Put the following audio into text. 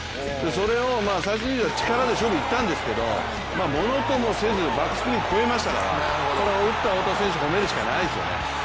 それを力で勝負にいったんですけどものともせずバックスクリーンを越えましたからこれは打った太田選手を褒めるしかないですね。